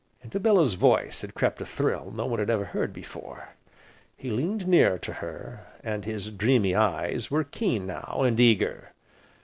Into Bellew's voice had crept a thrill no one had ever heard there before; he leaned nearer to her, and his dreamy eyes were keen now, and eager.